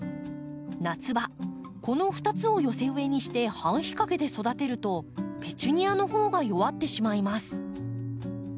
夏場この２つを寄せ植えにして半日陰で育てるとペチュニアのほうが弱ってしまいます。